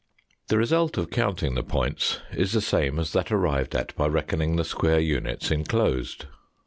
The result of counting the points is the same as that arrived at by reckoning the square units enclosed.